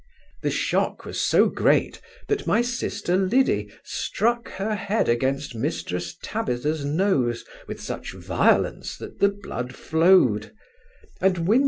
The shock was so great, that my sister Liddy struck her head against Mrs Tabitha's nose with such violence that the blood flowed; and Win.